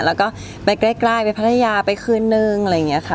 แล้วก็ไปใกล้ไปพัทยาไปคืนนึงอะไรอย่างนี้ค่ะ